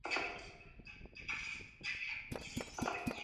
La caja de cambios de cinco marchas puede ser tanto manual como automática.